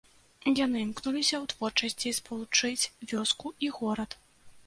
Яны імкнуліся ў творчасці спалучыць вёску і горад.